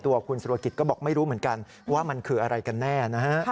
ตัวคุณสุรกิจก็บอกไม่รู้เหมือนกันว่ามันคืออะไรกันแน่นะฮะ